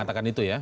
mengatakan itu ya